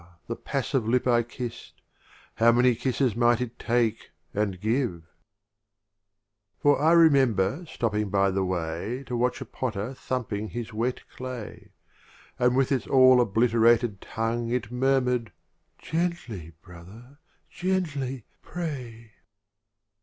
the passive Lip I kiss'd, How many Kisses might it take — and give ! XXXVII. For I remember stopping by the way To watch a Potter thumping his wet Clay: And with its all obliterated Tongue It murmur'd — "Gently, Brother, gently, pray!"